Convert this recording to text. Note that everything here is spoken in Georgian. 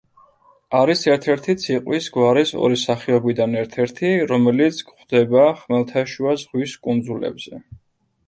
არის ერთ-ერთი ციყვის გვარის ორი სახეობიდან ერთ-ერთი, რომელიც გვხვდება ხმელთაშუა ზღვის კუნძულებზე.